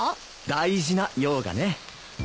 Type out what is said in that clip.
大事な用がね。